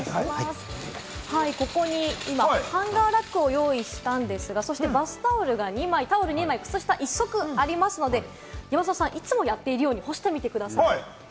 ここに今、ハンガーラックを用意したんですが、バスタオルが２枚、タオル２枚、靴下１足ありますので、いつもやっているように干してみてください。